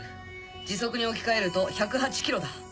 時速に置き換えると１０８キロだ。